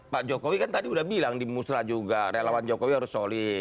pak jokowi kan tadi udah bilang di musrah juga relawan jokowi harus solid